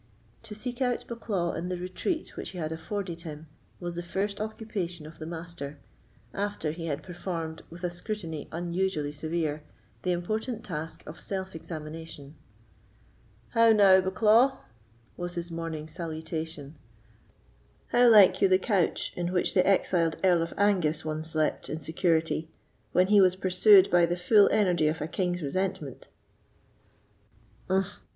To seek out Bucklaw in the retreat which he had afforded him, was the first occupation of the Master, after he had performed, with a scrutiny unusually severe, the important task of self examination. "How now, Bucklaw?" was his morning's salutation—"how like you the couch in which the exiled Earl of Angus once slept in security, when he was pursued by the full energy of a king's resentment?" "Umph!"